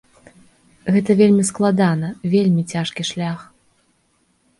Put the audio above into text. Гэта вельмі складана, вельмі цяжкі шлях.